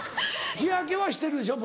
日焼けはしてるでしょ？